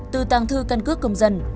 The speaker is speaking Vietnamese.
từ tàng thư căn cước công dân